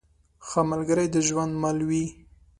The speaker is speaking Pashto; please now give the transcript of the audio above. ښه ملګری د ژوند مل وي.